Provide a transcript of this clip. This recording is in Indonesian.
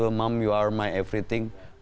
mama kamu adalah segalanya